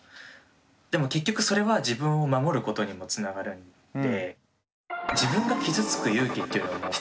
でも結局それは自分を守ることにもつながるんで。